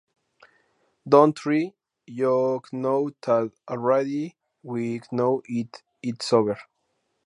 Don’t try, you know that already we know it…it’s over.